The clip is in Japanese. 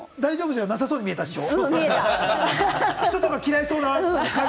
大丈夫じゃなさそうに見えたでしょ？